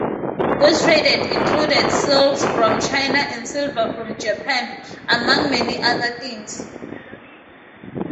Goods traded included silks from China and silver from Japan, among many other things.